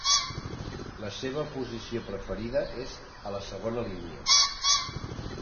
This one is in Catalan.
La seva posició preferida és a la segona línia.